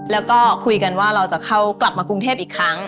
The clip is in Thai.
แล้วก็คุยกันว่าเราจะเข้ากลับมากรุงเทพอีกครั้ง